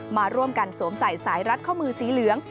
มาร่วมกันสวมใส่สายรัดข้อมือสีเหลือง